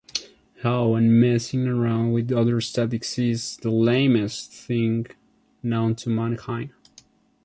Oh, and messing around with other statistics is the lamest thing known to mankind.